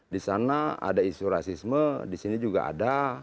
disana ada isu rasisme disini juga ada